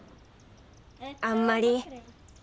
あんまり。